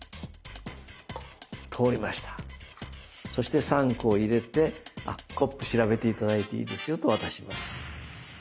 そして３個を入れて「コップ調べて頂いていいですよ」と渡します。